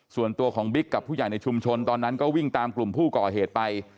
ส่วนตัวของบิ๊กกับผู้ใหญ่ในชุมชนตอนนั้นก็วิ่งตามกลุ่มผู้ก่อเหตุไป